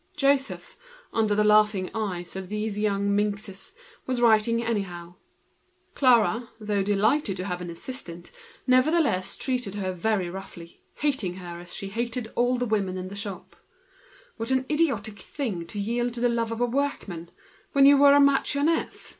Joseph, exposed to the laughing eyes of these young minxes, was writing anyhow. Clara, delighted with this assistant who arrived, was yet very rough with her, hating her as she hated all the women in the shop. What an idiotic thing to yield to the love of a workman, when one was a marchioness!